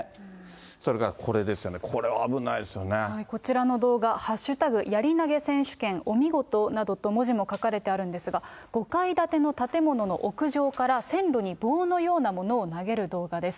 それからこれですよね、これは危こちらの動画、＃やり投げ選手権、お見事などと、文字も書かれてあるんですが、５階建ての建物の屋上から線路に棒のようなものを投げる動画です。